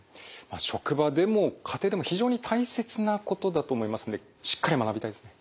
職場でも家庭でも非常に大切なことだと思いますんでしっかり学びたいですね。